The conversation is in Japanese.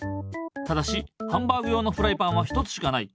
ただしハンバーグ用のフライパンは１つしかない。